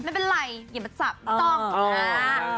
ไม่เป็นไรอย่ามาจับต้อง